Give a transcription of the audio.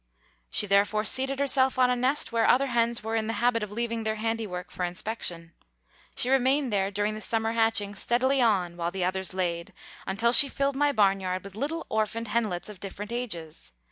She therefore seated herself on a nest where other hens were in the habit of leaving their handiwork for inspection. She remained there during the summer hatching steadily on while the others laid, until she filled my barnyard with little orphaned henlets of different ages.